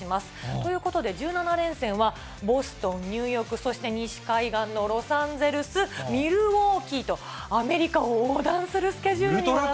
ということで１７連戦はボストン、ニューヨーク、そして西海岸のロサンゼルス、ミルウォーキーと、アメリカを横断するスケジュールになってるんですね。